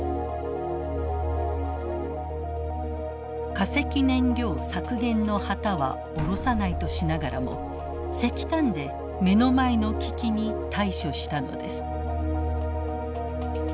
化石燃料削減の旗は降ろさないとしながらも石炭で目の前の危機に対処したのです。